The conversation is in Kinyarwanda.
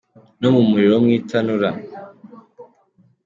No mu muriro wo mu itanura.